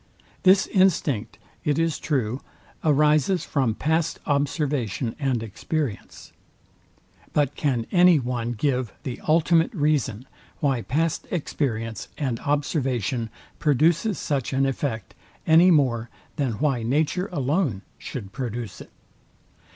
This instinct, it is true, arises from past observation and experience; but can any one give the ultimate reason, why past experience and observation produces such an effect, any more than why nature alone shoud produce it?